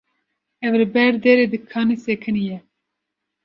ew li ber derê dikanê sekiniye.